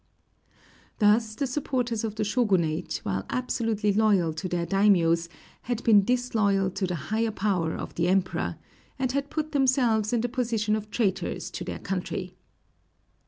Thus the supporters of the Shōgunate, while absolutely loyal to their daimiōs, had been disloyal to the higher power of the Emperor; and had put themselves in the position of traitors to their country.